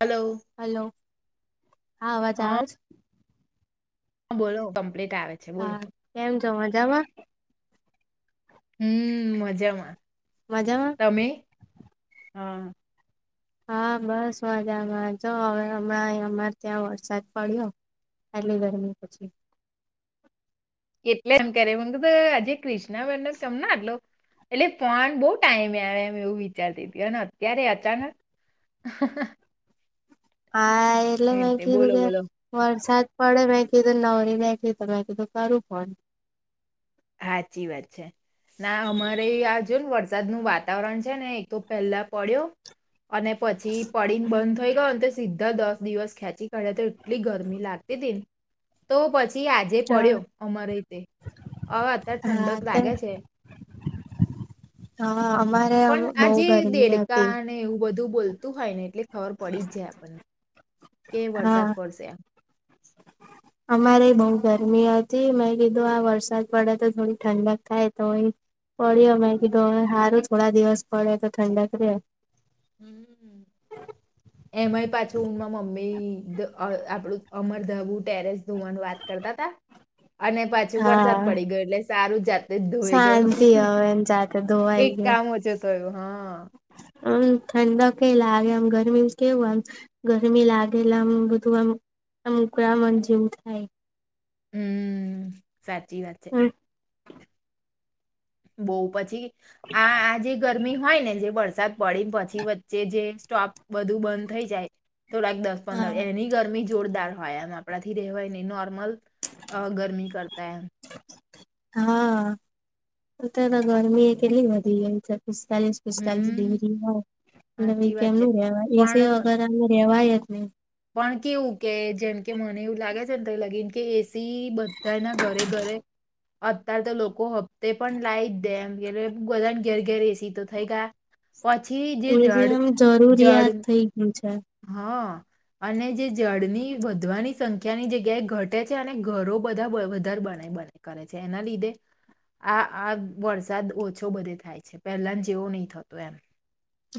Hello hello હા અવાજ આવે છે? હા બોલો કમ્પ્લીટ. આવે છે બોલો. હા કેમ છો મજામાં? હમ મજામાં. મજામાં. હમ. હા બસ મજામાંજો હવે હમણાં અમારે ત્યાં વરસાદ પડ્યો આટલી ગરમી પછી એટલે એમ કર મ હજ ક વ કમ ના હલો [unintelligible] એટલે ફન બહુ ટાઈમે આવે એમ એવું વિચારતી હતી અત્યારે અચાનક હા એટલે મે કીધું બોલો કે બોલો વરસાદ પડે મેં કીધું નવરી બેઠી તો મેં કીધું કરું ફોન. સાચી વાત છે ના અમારે આજુ વરસાદ ન વાતાવરણ છે ને એ તો પેલા પડ્યો અને પછી પડીને બંધ થઈ ગયો તો સીધા દસ દિવસ ખેંચી કાઢ્યા તો એટલી ગરમી લાગતી હતી ને તો પછી પછી આજે હા પડ્યો અમારે ર તે હવે અત્યારે હા ઠંડક તે લાગે છે. હા અમારે પણ બહુ આજે ગરમી હતી દેડકા ને એવું બધું બોલતું હોય ને એટલે ખબર પડી જ જાય આપણને કે વરસાદ હા પડશે આ. અમારે બઉ ગરમી હતી મેં કીધું આ વરસાદ પડે તો થોડી ઠંડક થાય તો પડ્યો મેં કીધું સારું થોડા દિવસ પડે તો ઠંડક રહેે હમ એમાંય પાછું મારા મમ્મી આપણું અમર ધવું ટેરેસ ધોવાનું વાત કરતા હતા. અને પછી વરસાદ હા પડી ગયો એટલે ચારું જાત શાંતિ હવે એને સાથેતે ધોવાઈ એક ગયયો કામ ઓછું થયું હા હમ. ઠંડ કઈ લાગે આમ ગરમી કેવું આમ ગરમી લાગે આમ બધું આમ આકરા જેવું થાય હમ. સાચી વાત છે. બઉ પછી આ આ જે ગરમી હોય ને જે વરસાદ પડીે પછી વચ્ચે જે સ્ટોપ બધું બંધ થઈ જાય. તો લક દસ પંદર હા. એની ગરમી જોરદાર હોય એમ આપણાથી રેવાય નહીં, નોર્મલ ગરમી કરતા એમ હા, અત્યારે તો ગરમી એ કેટલી વધી ગઈ છે. પિસ્તાલીસ-પિસ્તાલીસ હમ ડિગ્રી હોય એલે સાચી કે વાત એમ છે રેવાય પણ એસી વગર રેવાય જ નઈ. હમ. પણ કેવું કે જેમ કે મને એવું લાગે છે ને હદ લગી કે એસી બધાના ઘરે-ઘરે. અત્યારે તો લોકો હપ્તે પણ લાઈટ જ દેમ કે બધાને ઘેર ઘેર એસી તો થઈ ગયા. પછી એ જે જડ એમ જડ જરૂરિયાત થઇ ગયું છે. હા અને જે જળની વધવાની સંખ્યા સંખ્યાની જગ્યાએ ઘટે છે અને ઘરો બધા વધારે બને બને કરે છે, એના લીધે આ આ વરસાદ ઓછો બધે થાય છે, પહેલા જેવો નહીં થતો એમ.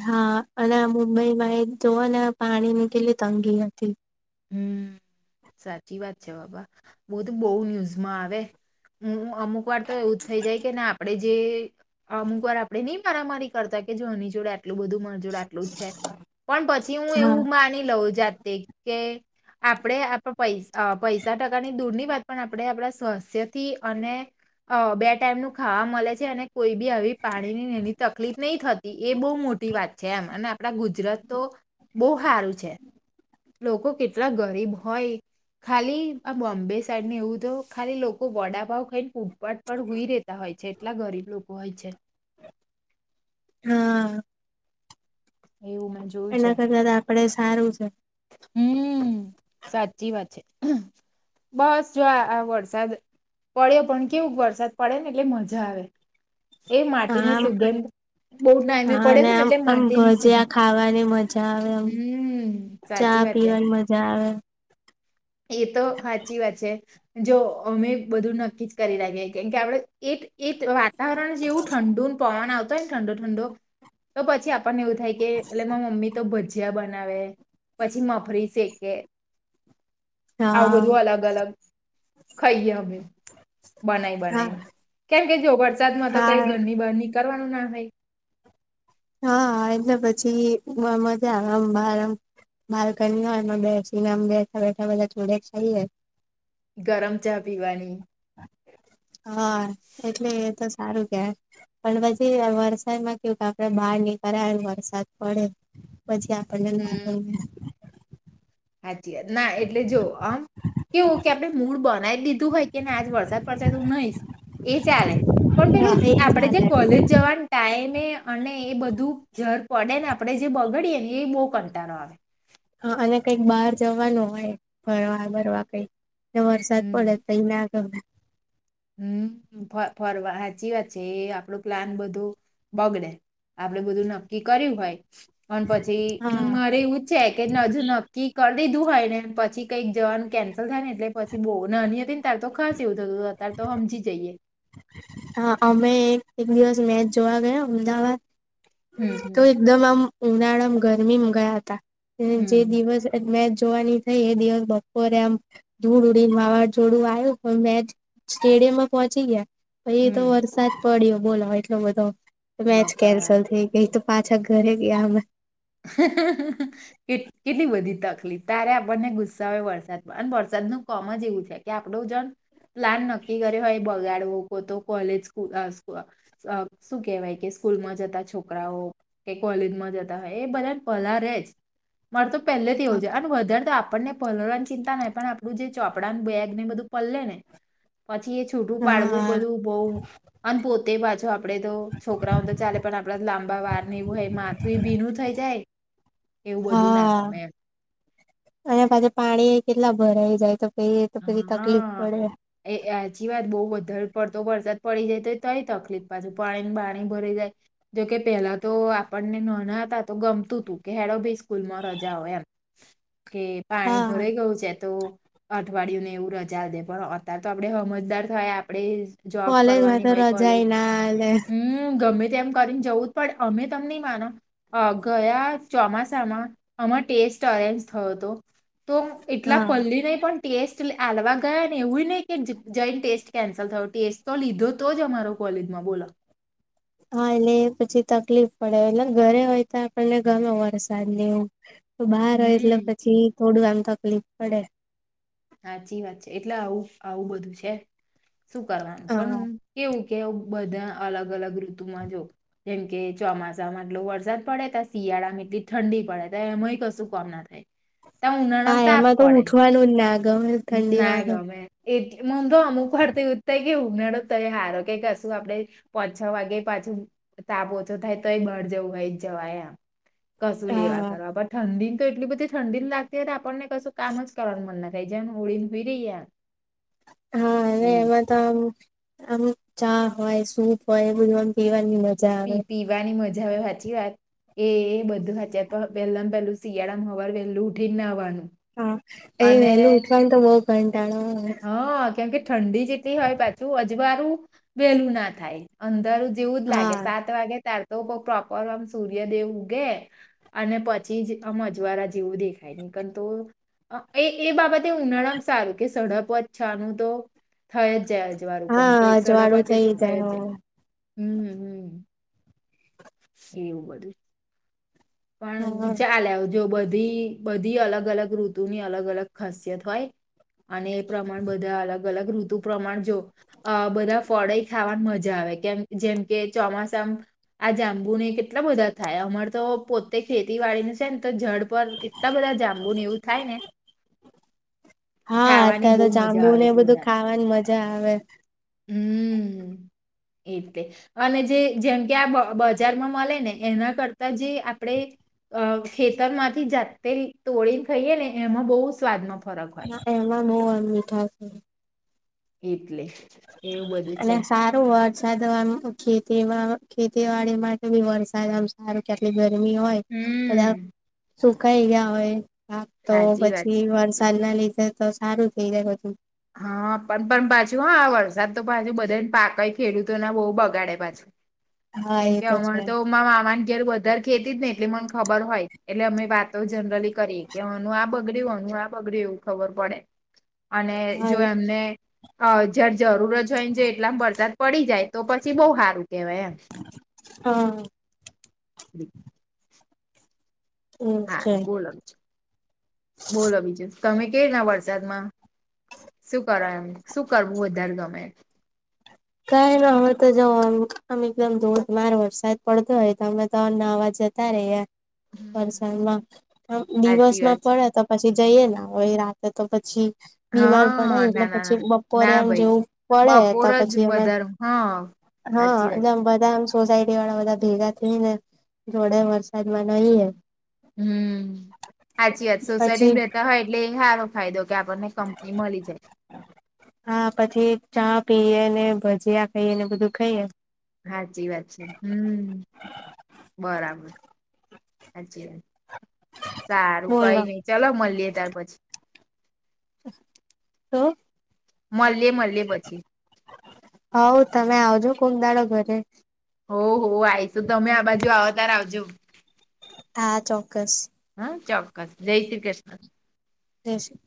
હા, અને મુંબઈમાં એ જોઓ ને પાણી ની કેટલી તંગી હતી. હમ, સાચી વાત છે બાબા. બધું તો બહુ ન્યુઝમાં આવે હું. અમુક વાર તો એવુ થઈ જાય કે ના? આપડે જે અમુક વાર આપડે નહીં મારા-મારી કરતા, કે જો એની જોડે એટલું બધું મજોડ આટલું જ છે, પણ પછી હું હા એવું માની લઉં જાત તે કે આપણે આપ પૈસા પૈસા-ટકાની દૂર ની વાત, પણ આપણે આપણા સ્વાસ્થ્યથી અને બે ટાઈમ નું ખાવા મળે છે, અને કોઈ બી આવી પાણી ની તકલીફ નહી થતી. એ બહુ મોટી વાત છે, એમ અને આપડા ગુજરાત તો બહુ સારું છે. લોકો કેટલા ગરીબ હોય ખાલી આ બોમ્બે સાઈડને એવું તો ખાલી લોકો વડા પાઉં ખાઈને ફૂટપાથ પર સૂઈ રહેતા હોય છે-એટલા ગરીબ લોકો હોય છે. હા. એવું મેં જોયું એના છે કરના આપડે સારું છે. હમ. સાચી વાત છે. બસ જો, આ આ વરસાદ પડ્યો પણ કેવું વરસાદ પડેને! એટલે મજા આવે. એ હા માટીની સુગંધ બહુ ટાઈમ એ હા પડે અને હોય ને, આમ એટલે આમ માટીની ભજીયા સુગંધ ખાવાની મજા આવે આમ હમ. ચા સાચી વાત છે પીવાની મજા. હા. એ તો સાચી વાત છે. જો અમે બધું નક્કી જ કરી લખીએ, કેમ કે આપડે એ એ વાતાવરણ જેવું ઠંડુ ને પવન આવતો હોય. ને ઠંડો-ઠંડો તો પછી આપણને એવું થાય કે, એટલે મમ્મી તો ભજીયા બનાવે પછી મફરી શેકે. હા આવું બધું અલગ-અલગ ખાઈએ અમે. હા બનાય-બનાય, કેમકે જો વરસાદમાં તો કઈ હા ઘરની બહાર ની કરવાનું ના હોય. હા, એટલે પછી મજા આવે, આમ બાર-બાલ્કની હો બેસીને બેઠા-બેઠા બધાં જોડે ખાઈએ. ગરમ ચા પીવાની. હા એટલે એ તો સારું કે, પણ પછી વરસાદમાં કેવું કે આપડે બહાર નીકળી ને. કરરા વરસાદ પડે. પછી આપણને હમ લાગે હાચી ના, એટલે જો આમ કેવું કે આપણે મૂળ બંધ લાઈટ [inaudible] હોય કેને આજ વરસાદ પડશે, તું નહીં એ ચાલે, પણ પેલું એ આપણે જે ચાલે કોલેજ જવાનું ટાઈમે અને એ બધું જર પડે ને, આપણે જે બગડીએ ને એ બો. કંટાળો આવે. હા, અને કંઈક બહાર જવાનું હોય, ફરવા-ભરવા કંઈક વરસાદ પડે ત્યાં હ. હમ, ફરવા સાચી વાત છે, એ આપણું પ્લાન બધું બગડે, આપડે બધું નક્કી કર્યું હોય. અને પછી હા મારે એવું છે કે હજુ નક્કી કર લીધું હોય ને પછી કંઈક જવાનું કેન્સલ થાય ને, એટલે પછી બ નાની હતી ને ત્યારે તો ખાસ એવું થતું હતું. તારે તો સમજી જઈએ. હા, અમે એક એક દિવસ મેચ જોવા ગયા અમદાવાદ. હમ, તો હમ, એકદમ આમ ઉનાળામાં ગરમીમાં ગયા હતા. જે હમ, દિવસ મે જોવાની થઈ એ દિવસ બપોરે આમ ધૂળ ઉડીને વાવાઝોડું આવ્યું, પણ મેચ સ્ટેડિયમ માં પહોંચી ગયા. પહી એ તો હમ. વરસાદ પડ્યો. બોલો, એટલો બધો. મેચ બાપા! કેન્સલ થઈ ગઈ. પાછા ઘરે ગયાં અમે. [unintelligible] કે કેટલી વધી તક! ત્યારે આપણને ગુસ્સા હોય વરસાદમાં, અને વરસાદ નું કામ જ એવું છે કે આપડો જણ પ્લાન નક્કી કરે હોય બગાડવો કો તો કોલેજ શું કેહેવાય કે સ્કૂલમાં જતા છોકરાઓ કે કોલેજમાં જતા. એ બધાં ને પલારેજ મારે તો. પહેલેથી હો છે અને વધારે આપ. આપણને પલવાની ચિંતા ના પણ આપણું જે ચોપડાનું બેગ ને બધું પલલે ને પછી એ છૂટું પાડવું હા બધું બહુ અને. તે બાજુ આપ આપડે તો છોકરાઓ તો ચાલે, પણ આપડા લાંબા વાર ને એવું હોય માથું એ ભીનું થ‌ઇ જાય એવું બધું ના હા ગમે એમ. અને પાછા પાણી કેટલા ભરાઈ જાય તો. પહી તો પછી તકલીફ હા પડે એ સાચી વાત બહુ વધારે પડતો પડતો. પડી જાય તોપણ તકલીફ પાછુ પાણીને પાણી ભરી જાય. જોકે પેલા તો આપણે નાના હતા તો ગમતું તું કે હેંડો ભ સ્કૂલમાં રજા હોય એમ. કે પાણી હા ભરાઈ ગયું છે તો. અઠવાડિયું ને એવું રજા આપી દેય પણ અત્યારે તો આપણે સમજદાર થયા આપણે જોબ કોલેજમાં કરવાની તો હોય કોલેજ, રજાએ ના આલે હમ ગમે તેમ કરીને જવું જ પણ અમે, તમે નહી માનો ગયા ચોમાસામાં અમારો ટેસ્ટ અરેન્જ થયો હતો. તો એટલા હા પલળી નહી પણ આપવા ગયા ને એવું નહી કે જઈને ટેસ્ટ કેન્સલ થયો. ટેસ્ટ તો લીધો તો જ. અમારો કોલેજમાં બોલો. હા એટલે એ પછી તકલીફ પડે એટલે ઘરે હોય તો આપણને ગમે વરસાદને એવું તો બહાર હોય એટલે હમ પછી થોડું એમ તકલીફ પડે. સાચી વાત છે એટલે આવું આવું બધું છે. શું કરવાનું? હા પણ કેવું? કે બધા અલગ અલગ ઋતુમાં જો જેમ કે, ચોમાસામાં એટલો વરસાદ પડે તો શિયાળામાં એટલી ઠંડી પડે ત એમાંય કશું કામ ના થાય - હા એમાં તો ઉઠવાનું જ ના ગમે ઠંડીમાં ના તો ગમે એજ મન તો અમુકવાર તો એવું જ થાય કે ઉનાળો તોય સારો કે કશું આપણે પાંચ-છ વાગે પાછું તાપ ઓછો થાય તો એ બહાર જવું હોય જવાય આમ કશું લેવા હા કરવા પણ ઠંડી તો એટલી બધી ઠંડી લાગતી હોય આપણને કશું કામ જ કરવાનું મન ના થાય. જાણે ઓઢીને સૂઈ રહીએ એમ હા અને એવું એમાં તો આમ ચા હોય, સૂપ હોય એ બધું એમ પીવાની મ પી પીવાની મજા હવે સાચી વાત એ બધું સાચું પહેલામાં પહેલું શિયાળામાં સવાર વહેલું ઉઠીને નાહવાનું હા એ અને વહેલું ઉઠવાનુ તો બ. [unintelligible] હા કેમ કે ઠંડી જ એટલી હોય પાછું અજવાળું વહેલું ના થાય અંધારું જેવું જ લાગે હા સાત વાગે તાર તો પ્રોપર આમ સૂર્યદેવ ઉગે. અને પછી જ આમ અજવાળા જેવું દેખાય, નહીતર તો એ એ બાબતે ઉનાળા મા સારું કે સડપ પ છાનું તો થઈ જ જાય. વારું હા કમ્પ્લીટ સાડા અજવાળું પાંચે થઇ તો જાય થાય જ હો હમ્મ-હમ્મ. એવું બધું. હા પણ ચાલ આવ જો બધું ધી બધી અલગ-અલગ ઋતુની અલગ-અલગ ખાસિયત હોય. અને એ પ્રમાણ બધા અલગ અલગ ઋતુ પ્રમાણ જો. અ બધા ફળાઈ ખાવાની મજા. મજા આવે કેમ જેમ કે ચોમાસા આ જાંબુ ને કેટલા બધા થાય અમાર તો પોતે ખેતી વાડીને છે, ને તો જડ પર એટલા બધા જાંબુ ને એવું થાય ને હા ખાવાની અત્યારે બહુ તો મજા જાંબુ આવે ને છે બધું ખાવાની મજ જા આવે. હમ્મ એતે અને જે જેમ કે આ બજારમાં મળે ને એના કરતા જે આપડે ખેતરમાંથી જાતે તોળીને ખાઈએ ને એમાં બહુ સ્વાદ ન હા એમાં નોવાન. [unintelligible] એક અને સારું વરસાદ ખેતીમાં ખેતીવાડી માટે બી વરસાદ આમ સારું કે આપડે ધર થી મી હોય બધા હમ સુકાઈ ગયા હોય છે. હા તો સાચી વાત પછી વરસાદી ના લઈ જાય તો સારું થઈ જાયું હા પણ પણ પાછું હા વરસાદ તો પાછું બધાને પાકય ખેડૂતો ના બહુ બગાડે પાછું હા એ કેમકે તો હમરે છે તોમાં માવાની વધ ખેતી જ ને એટલે મને ખબર હોય એટલે અમે વાતો જનરલી કરી કેવાનું આ બગડ નું આ બગડ્યું એવું ખબર પડે અને હા જો એમને હ જજ જરૂર જ હોયને જો એટલામ વરસાદ પડી જાય તો પછી બહ સારું કેહેવાય એમ હા [unintelligible] એમ હા છે બોલ છો બોલો બીજ તમે કે ના વરસાદમાં શું કરો એમ શું કરવું વધારે ગમે કઈ ના હોય તો જો આમ એકદમ ધોધમાર વરસાદ પડતો હોય તો અમે તોમ અવાજ જતા ર હમ વરસાદમાં સાચી દિવસમાં વાત છે. પડે તો પછી પછી જઈએ હો રાતે તો પછી બીમાર પડે હા એટલે ના ના ના પછી બપોરે એમ જેવું પડે અમે વધાર હા હા સાચી વાત એટલે છે આમ બધા આમ સોસાયટી વાળા બધા ભેગા થઈ ને જોડે વરસાદમાં નહી હમ સાચી વાત પછી સોસાયટી રહેતા હોય એટલે સાર. ાયો કે આપ કંપની મળ જ. હા પછી ચા પીએ ને ભજીયા ખાઈએ ને બધું ખાઈએ સાાચી વાત છે હમ બરાબર. હાજીી સારું કઈ બોલો નઈ ચાલ મળીએ ત્યાર પછી. [inaudible] [inaudible] પછી હ તમે આવજો. કોમ દાડો ઘરે હો હો આય તો તમે આ બાજુ આવતાર આવજો. હા ચોક્કસ. હા ચોક્કસ જય શ્રી કૃષ્ણ. જ શ્રી